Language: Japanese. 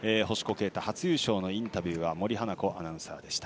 啓太初優勝のインタビューは森花子アナウンサーでした。